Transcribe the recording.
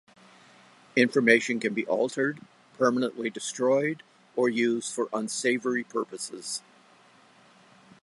Information can be altered, permanently destroyed or used for unsavory purposes.